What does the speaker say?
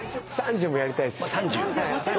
３０もやりたいです。